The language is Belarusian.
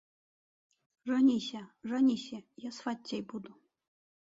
Жаніся, жаніся, я сваццяй буду.